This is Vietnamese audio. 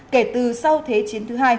kể từ sau thế chế